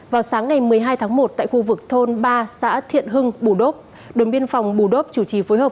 vào sáng ngày một mươi hai tháng một tại khu vực thôn ba xã thiện hưng bù đốc đồn biên phòng bù đốc chủ trì phối hợp